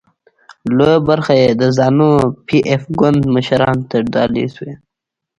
لویه برخه یې د زانو پي ایف ګوند مشرانو ته ډالۍ شوې.